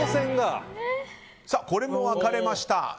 これも分かれました。